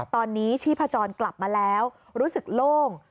ตอนนี้ชีพจรกลับมาแล้วรู้สึกโล่ง